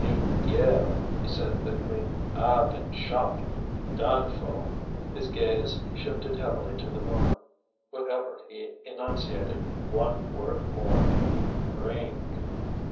"Needn't yell," he said thickly: "I've been shot ... done for...." His gaze shifted heavily to the woman. With effort he enunciated one word more: "Drink...."